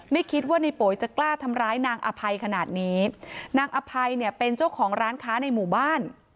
ไม่คิดว่าในโป๋ยจะกล้าทำร้ายนางอภัยขนาดนี้นางอภัยเนี่ยเป็นเจ้าของร้านค้าในหมู่บ้าน